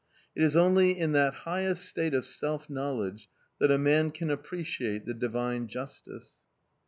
It is only in that highest state of self knowledge that a man can appreciate the divine justice.